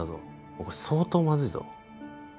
これ相当まずいぞ